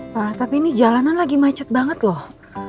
pak tapi ini jalanan lagi macet banget loh